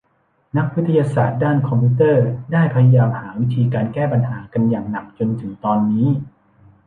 นักวิทยาศาสตร์ด้านคอมพิวเตอร์ได้พยายามหาวิธีการแก้ปัญหากันอย่างหนักจนถึงตอนนี้